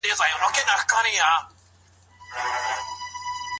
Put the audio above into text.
که افراد د اصولو په رڼا کي عمل وکړي، نو اصلاحات رامنځته کیږي.